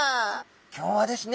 今日はですね